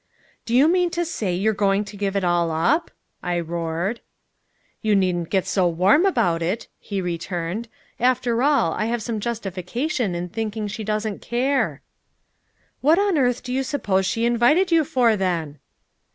"Do you mean to say you're going to give it all up?" I roared. "You needn't get so warm about it," he returned. "After all, I have some justification in thinking she doesn't care." "What on earth do you suppose she invited you for, then?"